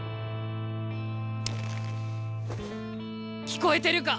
聞こえてるか？